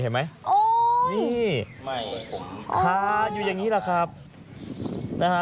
เห็นไหมโอ้นี่คาอยู่อย่างนี้แหละครับนะฮะ